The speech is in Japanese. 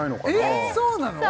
えっそうなの！？